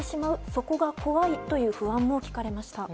そこが怖いという不安も聞かれました。